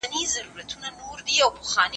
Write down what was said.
خپل بدن په سم حالت کي وساتئ.